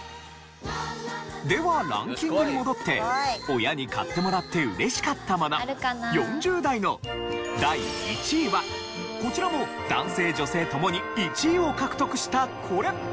ではランキングに戻って親に買ってもらって嬉しかったもの４０代の第１位はこちらも男性・女性ともに１位を獲得したこれ。